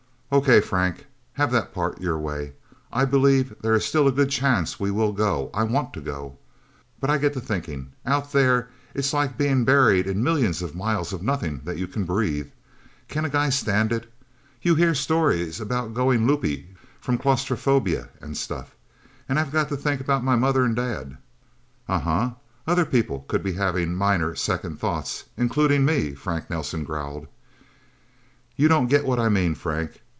"Okay, Frank have that part your way. I believe there still is a good chance we will go. I want to go. But I get to thinking. Out There is like being buried in millions of miles of nothing that you can breathe. Can a guy stand it? You hear stories about going loopy from claustrophobia and stuff. And I got to think about my mother and dad." "Uh huh other people could be having minor second thoughts including me," Frank Nelsen growled. "You don't get what I mean, Frank.